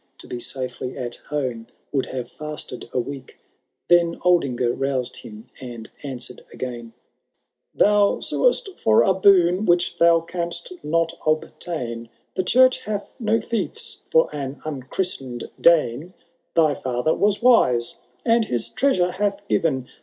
To be safely at home would haye &8ted a week :— Then Aldingar roused him, and answered again, Thou suest for a boon which thou canst not obtain ; The church hath no fiefii for an unchristen'd Dane. Thy fiither was wise, and his treasure hath given.